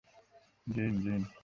জিন, জিন।